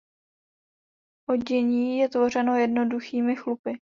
Odění je tvořeno jednoduchými chlupy.